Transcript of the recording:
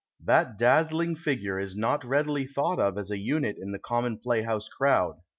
That dazzling figure is not readily thought of as a unit in the common playhouse crowd.